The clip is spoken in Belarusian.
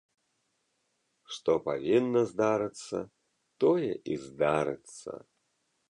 Што павінна здарыцца, тое і здарыцца.